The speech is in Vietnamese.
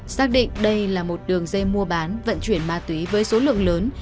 xác định đây là một đường dây mua bán vận chuyển ma túy với số lượng lớn